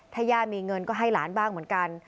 ถ้าย่ามีเงินก็ให้หลานบ้างเหมือนกัน